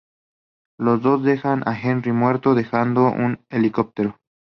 Los dos dejan a Henry muerto, dejando en un helicóptero.